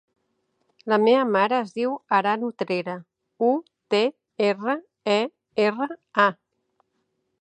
La meva mare es diu Aran Utrera: u, te, erra, e, erra, a.